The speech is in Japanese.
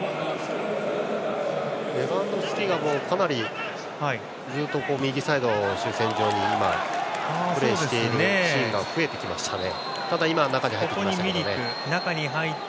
レバンドフスキがかなりずっと右サイドを主戦場にプレーしているシーンが増えてきましたね。